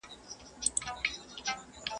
دا ویده پښتون له خوبه پاڅومه.